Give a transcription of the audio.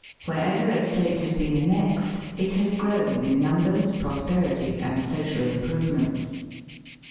Wherever a state has been annexed it ha& grown in numbers, prosperity, and social improvement.